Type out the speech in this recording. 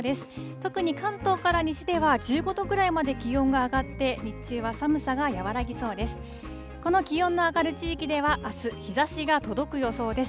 特に関東から西では、１５度くらいまで気温が上がって、日中は寒さが和らぎそうです。